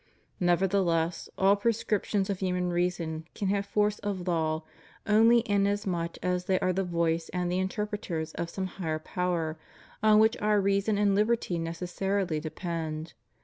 Nevertheless all prescriptions of human reason can have force of law only inasmuch as they are the voice and the interpreters of some higher power on which our reason and liberty necessarily de pend.